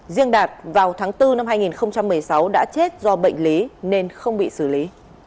riêng đạt vào tháng bốn năm hai nghìn một mươi sáu đã chết do bệnh lý nên không bị xử lý